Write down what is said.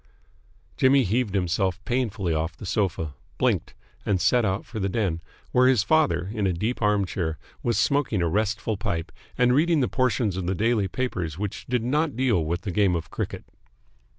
Jimmy heaved himself painfully off the sofa, blinked, and set out for the den, where his father, in a deep arm chair, was smoking a restful pipe and reading the portions of the daily papers which did not deal with the game of cricket.